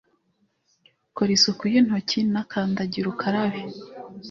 Kora isuku y'intoki na kandagira ukarabe.